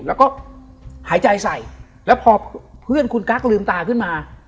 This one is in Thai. แล้วก็หายใจใส่แล้วพอเพื่อนคุณกั๊กลืมตาขึ้นมา